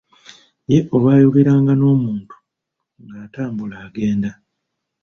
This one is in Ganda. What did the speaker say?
Ye olwayogeranga n'omuntu ng'atambula agenda.